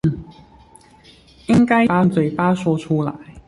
應該用嘴巴說出來